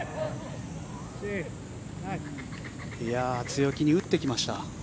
強気に打ってきました。